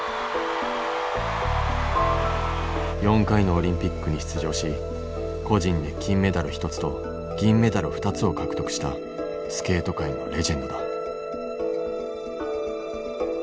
４回のオリンピックに出場し個人で金メダル１つと銀メダル２つを獲得したスケート界のレジェンドだ。